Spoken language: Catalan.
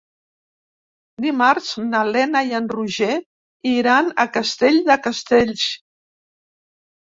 Dimarts na Lena i en Roger iran a Castell de Castells.